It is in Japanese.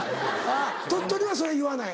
鳥取はそれ言わない？